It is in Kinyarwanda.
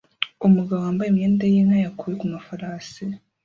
umugabo wambaye imyenda yinka yakuwe kumafarasi